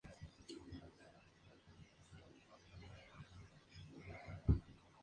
Es una banda de propagación nocturna.